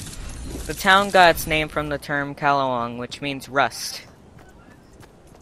The town got its name from the term "kalawang", which means rust.